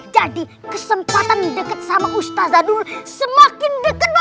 jadi kesempatan dekat sama ustadz zanurul semakin dekat bos